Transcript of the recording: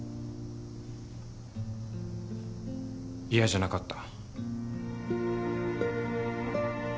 嫌じゃなかった。